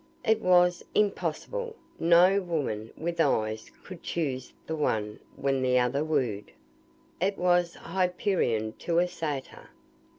It was impossible. No woman with eyes could choose the one when the other wooed. It was Hyperion to a Satyr.